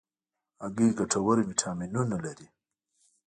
هګۍ ګټور ویټامینونه لري.